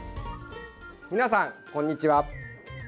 皆さん、こんにちは。